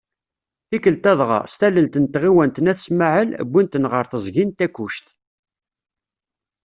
Tikkelt-a dɣa, s tallelt n tɣiwant n At Smaɛel, wwin-ten ɣer teẓgi n Takkuct.